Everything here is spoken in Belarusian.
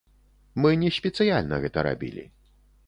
Мы не спецыяльна гэта рабілі.